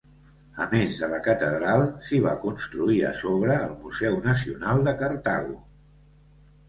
A més de la catedral, s'hi va construir a sobre el Museu Nacional de Cartago.